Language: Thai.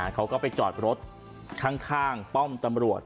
เขาก็ไปจอดรถข้างป้อมตำรวจ